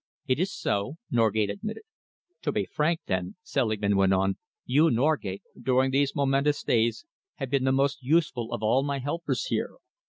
"It is so," Norgate admitted. "To be frank, then," Selingman went on, "you, Norgate, during these momentous days have been the most useful of all my helpers here.